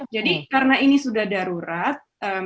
karena ini sudah darurat